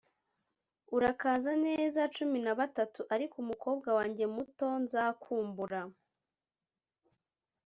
urakaza neza cumi na batatu, ariko umukobwa wanjye muto nzakumbura.